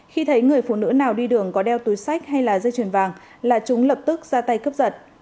khi thấy người phụ nữ nào đi đường có đeo túi sách hay là dây chuyền vàng là chúng lập tức ra tay cướp giật